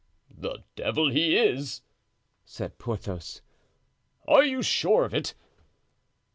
"The devil he is!" said Porthos. "Are you sure of it?"